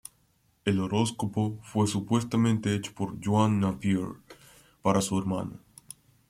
El horóscopo fue supuestamente hecho por John Napier para su hermano.